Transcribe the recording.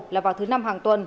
là vào thứ năm hàng tuần